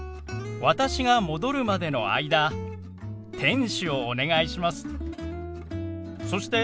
私が戻るまでの間店主をお願いします。